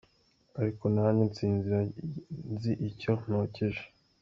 Ariko nanjye nsinzira nzi icyo nokeje.